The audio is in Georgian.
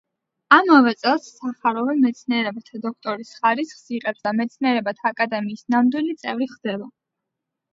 ამავე წელს სახაროვი მეცნიერებათა დოქტორის ხარისხს იღებს და მეცნიერებათა აკადემიის ნამდვილი წევრი ხდება.